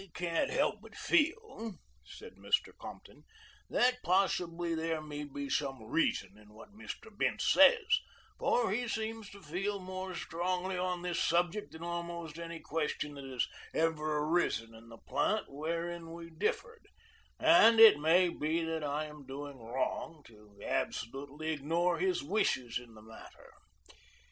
"I can't help but feel," said Compton, "that possibly there may be some reason in what Mr. Bince says, for he seems to feel more strongly on this subject than almost any question that has ever arisen in the plant wherein we differed, and it may be that I am doing wrong to absolutely ignore his wishes in the matter.